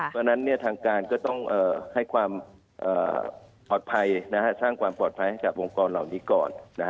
เพราะฉะนั้นทางการก็ต้องให้ความปลอดภัยสร้างความปลอดภัยให้กับองค์กรเหล่านี้ก่อน